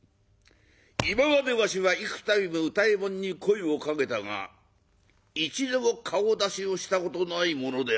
今までわしは幾たびも歌右衛門に声をかけたが一度も顔出しをしたことない者であるわい。